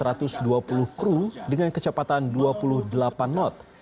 kepala perusahaan ini memiliki kemampuan perang perusahaan kru dengan kecepatan dua puluh delapan knot